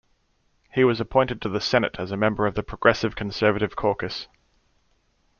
He was appointed to the Senate, as a member of the Progressive Conservative caucus.